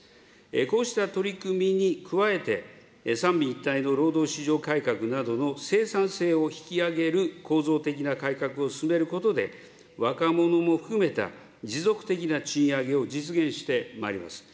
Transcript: こうした取り組みに加えて、三位一体の労働市場改革などの生産性を引き上げる構造的な改革を進めることで、若者も含めた持続的な賃上げを実現してまいります。